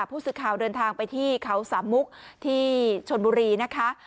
ผู้สื่อข่าวเดินทางไปที่เขาสามมุกที่ชนบุรีนะคะ